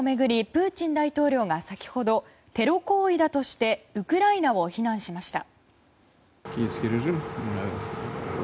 プーチン大統領が先ほど、テロ行為だとしてウクライナを非難しました。